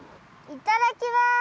いただきます！